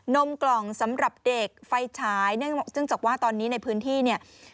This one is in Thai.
นมกล่องสำหรับเด็กไฟฉายเนื่องจากว่าตอนนี้ในพื้นที่เนี่ย